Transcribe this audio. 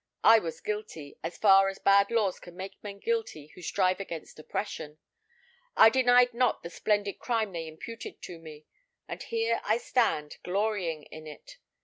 I was guilty, as far as bad laws can make men guilty who strive against oppression. I denied not the splendid crime they imputed to me, and here I stand, glorying in it.